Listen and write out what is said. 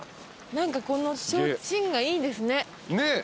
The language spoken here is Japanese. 何かこの提灯がいいですね。